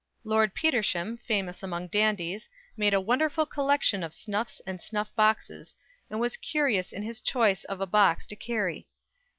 Lord Petersham, famous among dandies, made a wonderful collection of snuffs and snuff boxes, and was curious in his choice of a box to carry.